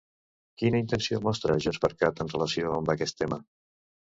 Quina intenció mostra JxCat en relació amb aquest tema?